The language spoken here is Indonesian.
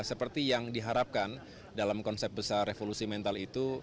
seperti yang diharapkan dalam konsep besar revolusi mental itu